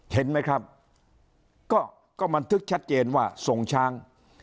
เห็นไหมครับก็บันทึกชัดเจนว่าทรงช้าง